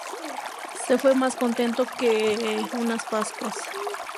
Se fue más contento que unas Pascuas